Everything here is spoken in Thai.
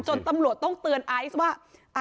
ตำรวจต้องเตือนไอซ์ว่า